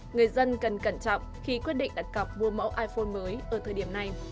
người dân cần cẩn trọng khi quyết định đặt cọc mua mẫu iphone mới ở thời điểm này